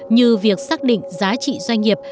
như việc xác định giá trị doanh nghiệp